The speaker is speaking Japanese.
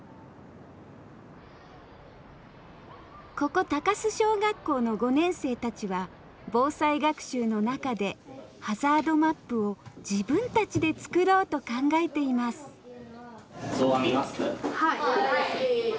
ここ高須小学校の５年生たちは防災学習の中でハザードマップを自分たちで作ろうと考えていますはい！